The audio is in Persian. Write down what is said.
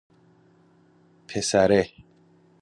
پسره